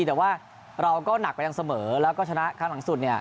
แต่ว่าเราก็หนักไปยังเสมอแล้วก็ชนะครั้งหลังสุดเนี่ย